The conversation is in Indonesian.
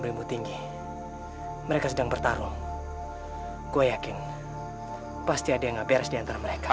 berimbu tinggi mereka sedang bertarung gua yakin pasti ada yang beres diantara mereka